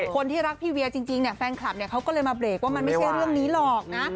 คนที่รักพี่เวียจริงเนี่ยแฟนคลับเนี่ยเขาก็เลยมาเบรกว่ามันไม่ใช่เรื่องนี้หรอกนะ